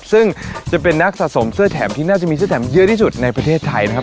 ซึ่งจะเป็นนักสะสมเสื้อแถมที่น่าจะมีเสื้อแถมเยอะที่สุดในประเทศไทยนะครับ